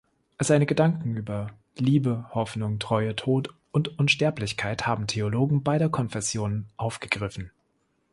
Seine Gedanken über Liebe, Hoffnung, Treue, Tod und Unsterblichkeit haben Theologen beider Konfessionen aufgegriffen.